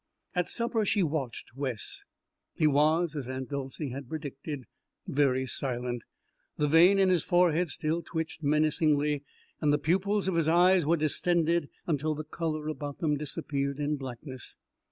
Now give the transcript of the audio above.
At supper she watched Wes. He was, as Aunt Dolcey had predicted, very silent; the vein in his forehead still twitched menacingly and the pupils of his eyes were distended until the colour about them disappeared in blackness.